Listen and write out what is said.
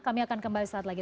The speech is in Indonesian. kami akan kembali saat lagi